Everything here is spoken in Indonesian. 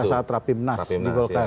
saat rapimnas di golkar